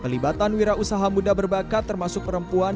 pelibatan wira usaha muda berbakat termasuk perempuan